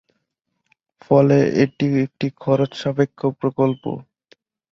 ফলে এটি একটি খরচ সাপেক্ষ প্রকল্প।